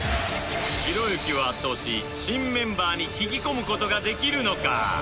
ひろゆきを圧倒し新メンバーに引き込む事ができるのか？